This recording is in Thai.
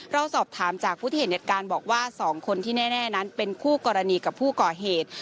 เราสอบถามจากผู้ที่เห็นเหตุการณ์บอกว่า๒คนที่แน่นั้นเป็นคู่กรณีกับผู้ก่อเหตุ